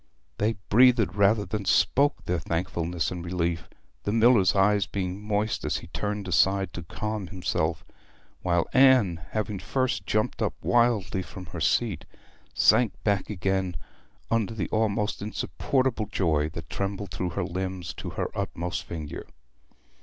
They breathed rather than spoke their thankfulness and relief, the miller's eyes being moist as he turned aside to calm himself; while Anne, having first jumped up wildly from her seat, sank back again under the almost insupportable joy that trembled through her limbs to her utmost finger.